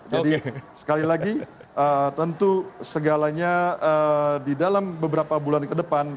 jadi sekali lagi tentu segalanya di dalam beberapa bulan ke depan